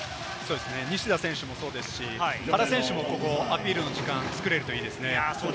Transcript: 西田選手もそうですし、原選手もここアピールの時間、作れるといいですね。